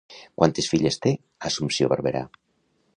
Quantes filles té Assumpció Barberà?